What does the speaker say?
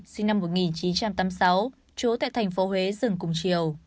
sinh năm một nghìn chín trăm tám mươi sáu trú tại thành phố huế dừng cùng chiều